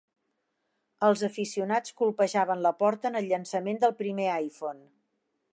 Els aficionats colpejaven la porta en el llançament del primer iPhone.